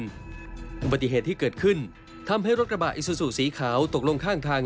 อุบัติเหตุที่เกิดขึ้นทำให้รถกระบะอิซูซูสีขาวตกลงข้างทาง